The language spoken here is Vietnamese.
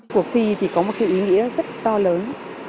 cuộc thi thì có một cái ý nghĩa rất to lớn